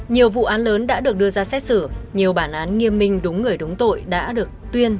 nhiều vụ án lớn đã được đưa ra xét xử nhiều bản án nghiêm minh đúng người đúng tội đã được tuyên